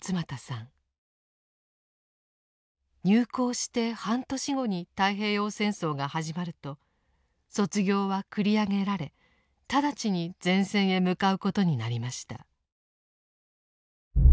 入校して半年後に太平洋戦争が始まると卒業は繰り上げられ直ちに前線へ向かうことになりました。